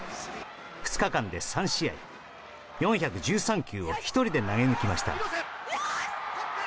２日間で３試合、４１３球を１人で投げ抜きました。